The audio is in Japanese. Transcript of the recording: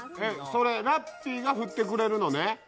それ、ラッピーが振ってくれるのね？